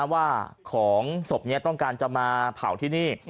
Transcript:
ว่าของศพนี้ต้องการจะมาเผาที่นี่